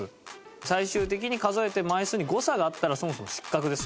最終的に数えて枚数に誤差があったらそもそも失格です。